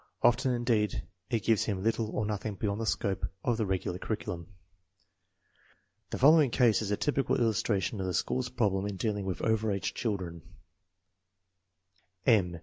Often, indeed, it gives him little or nothing beyond the scope of the regular curriculum. 184 INTELLIGENCE OP SCHOOL CHILDREN The following case is a typical illustration of the school's problem in dealing with over age children: M.